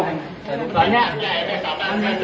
รับทราบ